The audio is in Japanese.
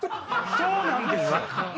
そうなんですよ！